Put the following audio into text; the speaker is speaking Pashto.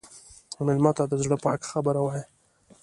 مېلمه ته د زړه پاکه خبره وایه.